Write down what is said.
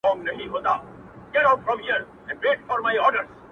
وغورځول~